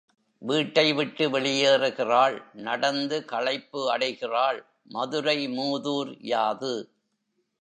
வீட்டை விட்டு வெளியேறுகிறாள் நடந்து களைப்பு அடைகிறாள் மதுரை மூதூர் யாது?